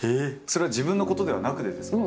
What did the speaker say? それは自分のことではなくてですか？